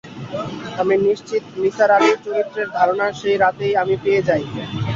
আমি নিশ্চিত নিসার আলি চরিত্রের ধারণা সেই রাতেই আমি পেয়ে যাই।